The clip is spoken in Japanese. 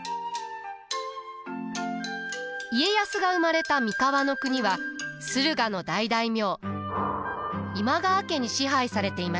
家康が生まれた三河国は駿河の大大名今川家に支配されていました。